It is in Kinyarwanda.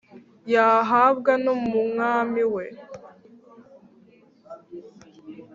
yahabwa n'umwami we